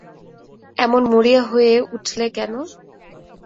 এমন মরিয়া হয়ে উঠলে কেন।